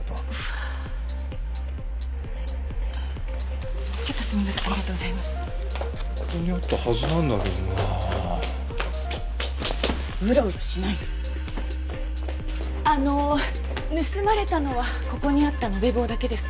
あの盗まれたのはここにあった延べ棒だけですか？